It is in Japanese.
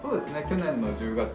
去年の１０月。